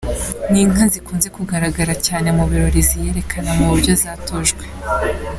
Ni inka zikunze kugaragara cyane mu birori ziyerekana mu buryo zatojwe.